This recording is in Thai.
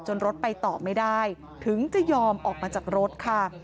รถไปต่อไม่ได้ถึงจะยอมออกมาจากรถค่ะ